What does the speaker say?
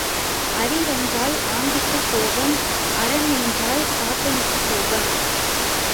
அரி என்றால் ஆண்டிக்குக் கோபம் அரன் என்றால் தாதனுக்குக் கோபம்.